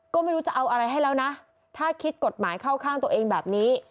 ก็ไม่รู้จะเอาอะไรให้แล้วนะถ้าคิดกฎหมายเข้าข้างตัวเองแบบนี้